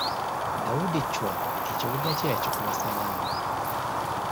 Dawudi Chwa ekibuga kye yakikuba Ssalaama.